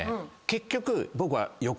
結局僕は。